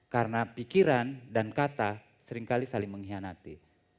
karena pikiran dan kata seringkali saling mengkhianati